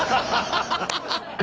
ハハハハ！